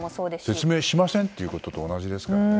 説明しませんということと同じですからね。